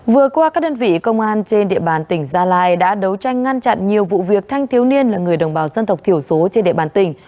vừa qua các đơn vị công an trên địa bàn tỉnh gia lai đã đấu tranh ngăn chặn nhiều vụ việc thanh thiếu niên là người đồng bào dân tộc thiểu số trên địa bàn tỉnh